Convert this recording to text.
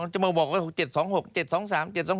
จะมาบอกว่า๗๒๖